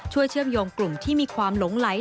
เชื่อมโยงกลุ่มที่มีความหลงไหล